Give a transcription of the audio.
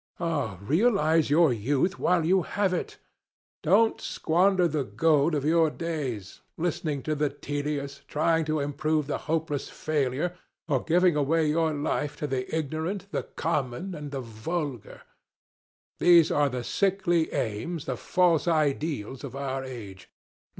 Ah! realize your youth while you have it. Don't squander the gold of your days, listening to the tedious, trying to improve the hopeless failure, or giving away your life to the ignorant, the common, and the vulgar. These are the sickly aims, the false ideals, of our age.